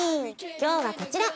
今日はこちら。